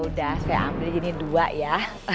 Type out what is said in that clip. ya udah saya ambil ini dua ya